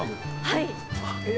はい！